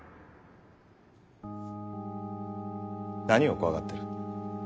何を恐がってる？